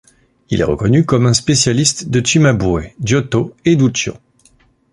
Il est reconnu comme un spécialiste de Cimabue, Giotto et Duccio.